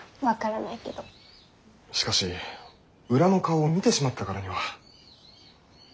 しかし裏の顔を見てしまったからには。